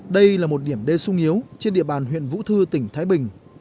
đây là một điểm đê sung yếu trên địa bàn huyện vũ thư tỉnh thái bình